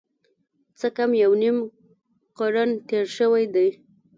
څه کم یو نیم قرن تېر شوی دی.